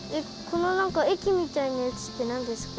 このなんかえきみたいなやつってなんですか？